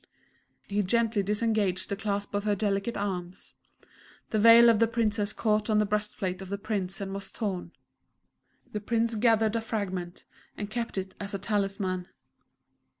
He gently disengaged the clasp of her delicate arms. The veil of the Princess caught on the breastplate of the Prince and was torn. The Prince gathered a fragment, and kept it as a talisman.